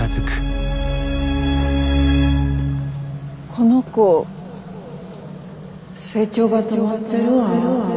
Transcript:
この子成長が止まってるわ。